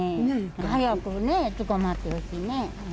早く捕まってほしいね。